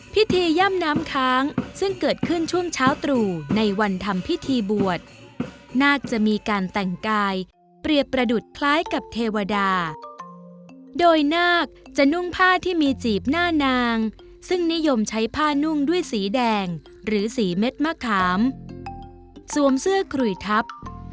ย่ำน้ำค้างซึ่งเกิดขึ้นช่วงเช้าตรู่ในวันทำพิธีบวชนาคจะมีการแต่งกายเปรียบประดุษคล้ายกับเทวดาโดยนาคจะนุ่งผ้าที่มีจีบหน้านางซึ่งนิยมใช้ผ้านุ่งด้วยสีแดงหรือสีเม็ดมะขามสวมเสื้อขุยทัพ